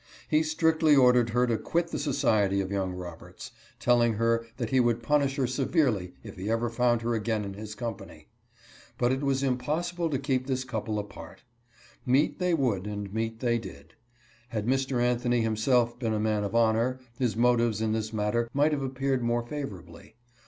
He strictly ordered her to quit the society of young Roberts, telling her that he would punish her severely if he ever found her again in his company. But it was impossible to keep this couple apart. Meet they would and meet they did. Had Mr. Anthony himself been a man of honor, his motives in this matter might have appeared more favorably.